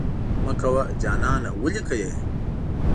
مه کوه جانانه ولې کوې؟